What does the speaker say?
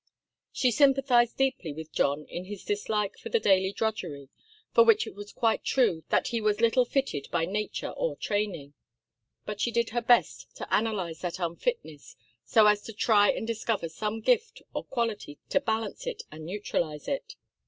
She sympathized deeply with John in his dislike of the daily drudgery, for which it was quite true that he was little fitted by nature or training. But she did her best to analyze that unfitness, so as to try and discover some gift or quality to balance it and neutralize it.